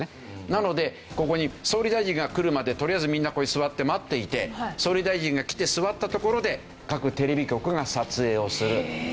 なのでここに総理大臣が来るまでとりあえずみんなここに座って待っていて総理大臣が来て座ったところで各テレビ局が撮影をする。